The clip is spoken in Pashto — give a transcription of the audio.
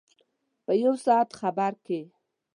په یو ساعت خبر کې.